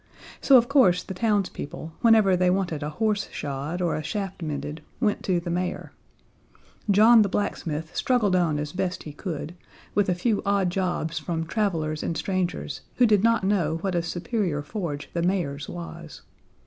So of course the townspeople, whenever they wanted a horse shod or a shaft mended, went to the mayor. John the blacksmith struggled on as best he could, with a few odd jobs from travelers and strangers who did not know what a superior forge the mayor's was.